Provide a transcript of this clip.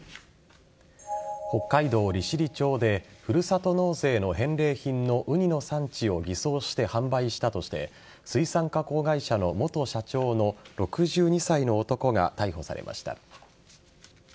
北海道利尻町でふるさと納税の返礼品のウニの産地を偽装して販売したとして水産加工会社の元社長の６２歳の男が逮捕されました。